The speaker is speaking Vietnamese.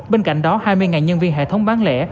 bên cạnh đó hai mươi nhân viên hệ thống bán lẻ